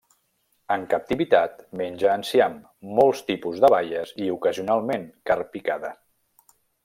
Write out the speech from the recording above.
En captivitat, menja enciam, molts tipus de baies, i ocasionalment carn picada.